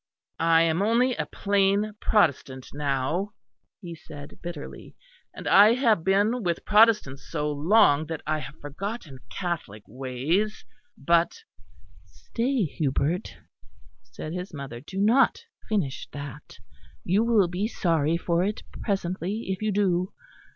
"I am only a plain Protestant now," he said bitterly, "and I have been with Protestants so long that I have forgotten Catholic ways; but " "Stay, Hubert," said his mother, "do not finish that. You will be sorry for it presently, if you do.